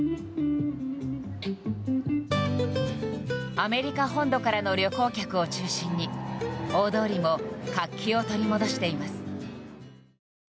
アメリカ本土からの旅行客を中心に大通りも活気を取り戻しています。